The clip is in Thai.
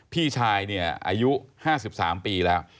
พี่ชายอายุ๕๓ปีแล้ว